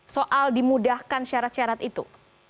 soal dimudahkan syarat syarat itu